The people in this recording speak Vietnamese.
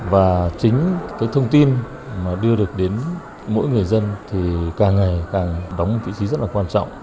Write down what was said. và chính cái thông tin mà đưa được đến mỗi người dân thì càng ngày càng đóng một vị trí rất là quan trọng